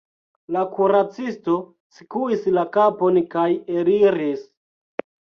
La kuracisto skuis la kapon, kaj eliris.